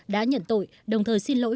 đã nhận tội đồng thời xin lỗi